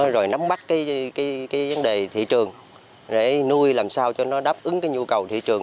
rồi nắm bắt vấn đề thị trường để nuôi làm sao cho nó đáp ứng nhu cầu thị trường